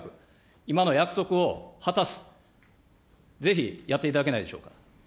今の約束を果たす、ぜひ、やっていただけないでしょうか。